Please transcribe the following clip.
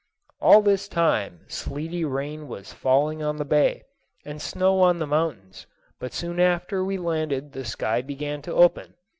All this time sleety rain was falling on the bay, and snow on the mountains; but soon after we landed the sky began to open.